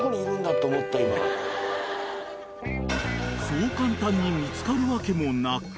［そう簡単に見つかるわけもなく］